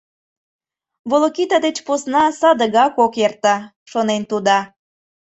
«Волокита деч посна садыгак ок эрте», — шонен тудо.